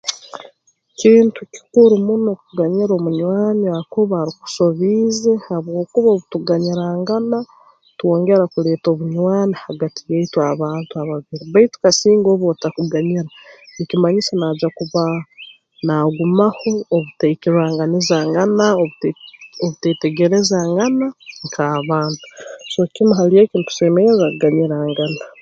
Kintu kikuru muno kuganyira omunywani akuba arukusobiize habwokuba obu tuganyirangana twongera kuleeta obunywani hagati yaitu abantu ababiri baitu kasinga oba otakuganyira nikimanyisa naagya kuba naagumaho obutaikirranganizangana obute obuteetegerezangana nk'abantu so kimu hali eki ntusemerra kuganyirangana